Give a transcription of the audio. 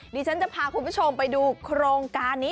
ดิฉันจะพาคุณผู้ชมไปดูโครงการนี้